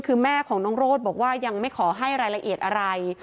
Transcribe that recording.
คือแม่ของน้องโรดบอกว่ายังไม่ขอให้รายละเอียดอะไร